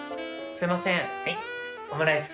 すいませーん。